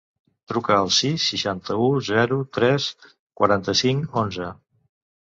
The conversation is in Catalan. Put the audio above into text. Truca al sis, seixanta-u, zero, tres, quaranta-cinc, onze.